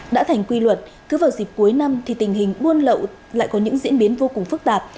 đã thành quy luật cứ vào dịp cuối năm thì tình hình buôn lậu lại có những diễn biến vô cùng phức tạp